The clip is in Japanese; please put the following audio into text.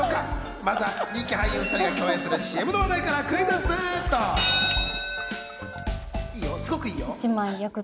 まずは人気俳優２人が共演するＣＭの話題からクイズッスっと！